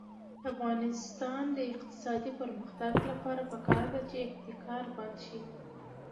د افغانستان د اقتصادي پرمختګ لپاره پکار ده چې احتکار بند شي.